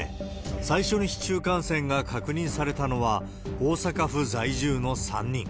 最初に市中感染が確認されたのは、大阪府在住の３人。